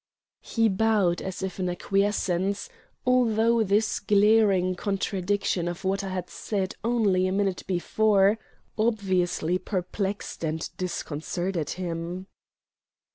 He bowed as if in acquiescence, although this glaring contradiction of what I had said only a minute before obviously perplexed and disconcerted him.